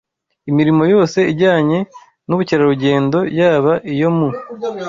Imirimo yose ijyanye n’ubukerarugendo yaba iyo mu